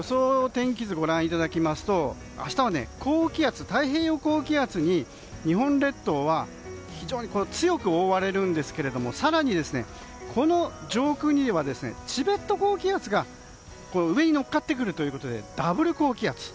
天気図をご覧いただきますと明日は太平洋高気圧に日本列島は強く覆われるんですけれども更にこの上空にはチベット高気圧が上に乗っかってくるということでダブル高気圧。